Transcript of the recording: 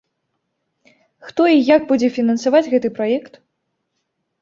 Хто і як будзе фінансаваць гэты праект?